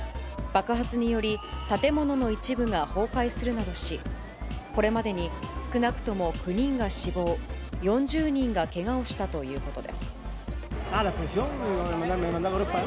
爆発により、建物の一部が崩壊するなどし、これまでに少なくとも９人が死亡、４０人がけがをしたということです。